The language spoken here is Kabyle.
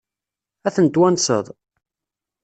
Ad ten-twanseḍ?